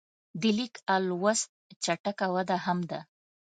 د لیک او لوست چټکه وده هم ده.